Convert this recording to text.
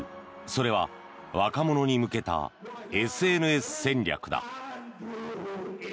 それは若者に向けたＳＮＳ戦略だ。